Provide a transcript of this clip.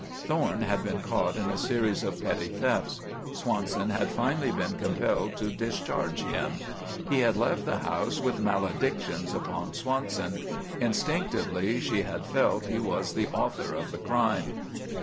Thorne had been caught in a series of petty thefts. Swanson had finally been compelled to discharge him. He had left the house with maledictions upon Swanson. Instinctively she had felt he was the author of the crime.